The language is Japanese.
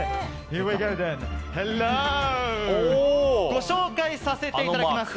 ご紹介させていただきます。